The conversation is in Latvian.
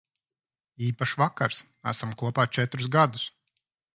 Īpašs vakars. Esam kopā četrus gadus.